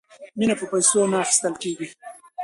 مینه په پیسو نه اخیستل کیږي.